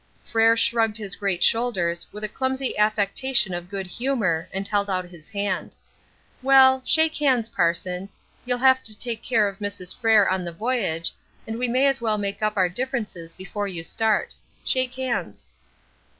Frere shrugged his great shoulders with a clumsy affectation of good humour, and held out his hand. "Well, shake hands, parson. You'll have to take care of Mrs. Frere on the voyage, and we may as well make up our differences before you start. Shake hands."